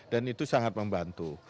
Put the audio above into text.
dan itu sangat membantu